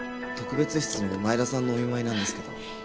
特別室の前田さんのお見舞いなんですけど。